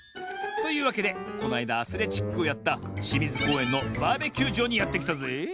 というわけでこのあいだアスレチックをやったしみずこうえんのバーベキューじょうにやってきたぜえ。